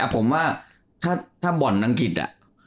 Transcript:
อะผมว่าถ้าบ่อนอังกฤษอ่ะ